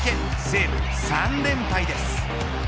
西武、３連敗です。